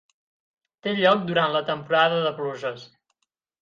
Té lloc durant la temporada de pluges.